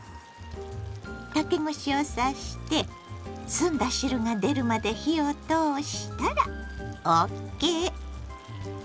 竹串を刺して澄んだ汁が出るまで火を通したらＯＫ。